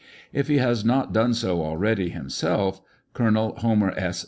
If he has not done so already himself, Colonel Homer S.